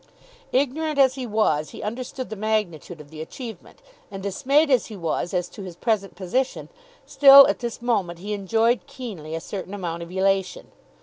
Ignorant as he was he understood the magnitude of the achievement, and dismayed as he was as to his present position, still at this moment he enjoyed keenly a certain amount of elation.